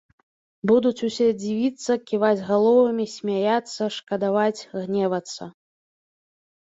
Будуць усе дзівіцца, ківаць галовамі, смяяцца, шкадаваць, гневацца.